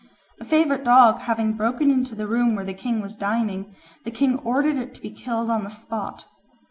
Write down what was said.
A favourite dog having broken into the room where the king was dining, the king ordered it to be killed on the spot.